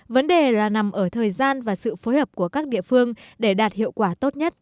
vấn đề là nằm ở thời gian và sự phối hợp của các địa phương để đạt hiệu quả tốt nhất